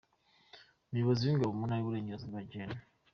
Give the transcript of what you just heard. Umuyobozi w’Ingabo mu ntara y’Iburengarazuba Gen.